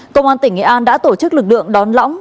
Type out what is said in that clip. công an tỉnh nghệ an đã tổ chức lực lượng đón lõng